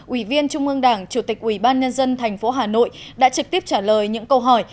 ủy viên trung ương đảng chủ tịch ủy ban nhân dân thành phố hà nội đã trực tiếp trả lời những câu hỏi